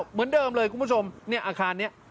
เหมือนเดิมเลยคุณผู้ชมเนี่ยอาคารนี้